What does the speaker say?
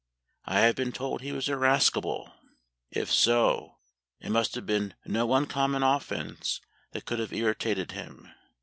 I have been told he was irascible. If so, it must have been no common offence that could have irritated him.